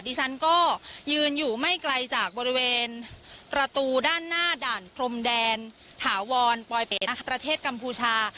ดิฉันก็ยืนอยู่ไม่ไกลจากบริเวณประตูด้านหน้าด่านพรมแดนถาวรปลอยเป็ดนะคะประเทศกัมพูชา